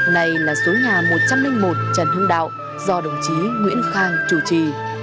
này là số nhà một trăm linh một trần hưng đạo do đồng chí nguyễn khang chủ trì